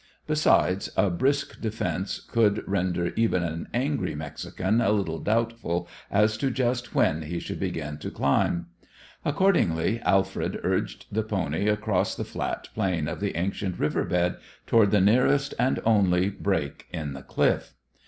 Besides, a brisk defence could render even an angry Mexican a little doubtful as to just when he should begin to climb. Accordingly, Alfred urged the pony across the flat plain of the ancient riverbed toward the nearest and only break in the cliff.